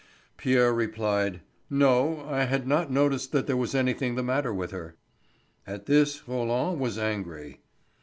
Pierre replied: "No; I had not noticed that there was anything the matter with her." At this Roland was angry.